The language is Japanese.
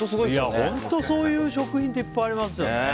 本当、そういう食品っていっぱいありますよね。